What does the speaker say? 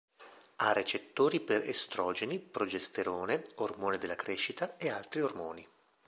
Ha recettori per estrogeni, progesterone, ormone della crescita e altri ormoni.